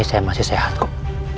saya masih sehat kok